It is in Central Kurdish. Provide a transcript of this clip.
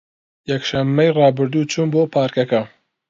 یەکشەممەی ڕابردوو چووم بۆ پارکەکە.